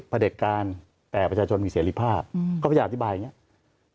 พระเด็กการแต่ประชาชนมีเสร็จภาพก็พระยาทธิบายอย่างเงี้ย